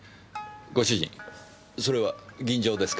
ご主人それは吟醸ですか？